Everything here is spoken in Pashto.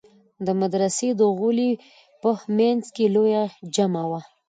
د مدرسې د غولي په منځ کښې لويه جامع وه.